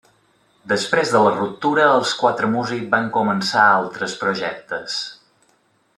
Després de la ruptura, els quatre músics van començar altres projectes.